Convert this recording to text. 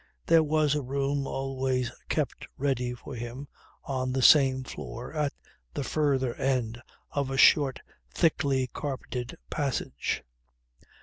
There was a room always kept ready for him on the same floor, at the further end of a short thickly carpeted passage.